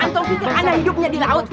antum pikir anak hidupnya di laut